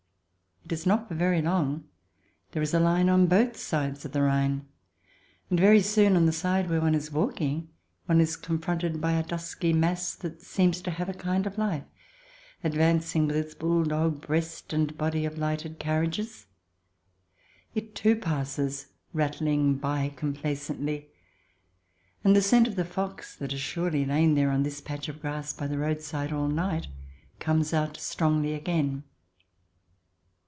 It is not for very long. There is a line on both sides of the Rhine ; and very soon, on the side where one is walking, one is confronted by a dusky mass that seems to have a kind of life, advancing CH. I] HOW ONE BECOMES AN ALIEN 15 with its bulldog breast and body of lighted carriages. It, too, passes, rattling by complacently; and the scent of the fox, that has surely lain there on this patch of grass by the roadside all night, comes out strongly again.